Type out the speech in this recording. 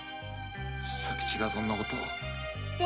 佐吉がそんなことを。